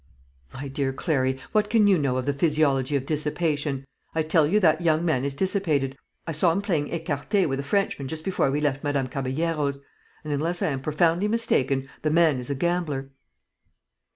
"My dear Clary, what can you know of the physiology of dissipation? I tell you that young man is dissipated. I saw him playing écarté with a Frenchman just before we left Madame Caballero's; and, unless I am profoundly mistaken, the man is a gambler."